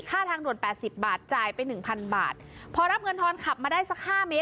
ทางด่วนแปดสิบบาทจ่ายไปหนึ่งพันบาทพอรับเงินทอนขับมาได้สักห้าเมตร